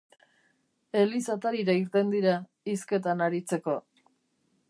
Eliz atarira irten dira hizketan aritzeko.